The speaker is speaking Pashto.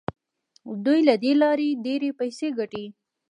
دوی له دې لارې ډیرې پیسې ګټي.